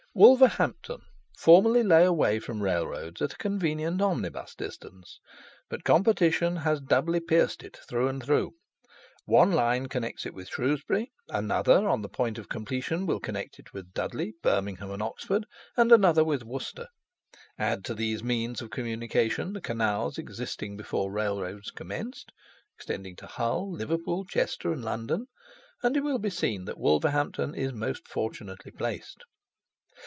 WOLVERHAMPTON formerly lay away from railroads, at a convenient omnibus distance; but competition has doubly pierced it through and through. One line connects it with Shrewsbury; another, on the point of completion, will connect it with Dudley, Birmingham, and Oxford, and another with Worcester, add to these means of communication the canals existing before railroads commenced, extending to Hull, Liverpool, Chester, and London, and it will be seen that Wolverhampton is most fortunately placed.